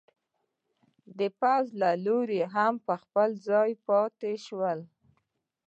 د پوځ له لوري هم پر خپل ځای پاتې شول.